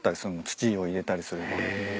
土を入れたりすると。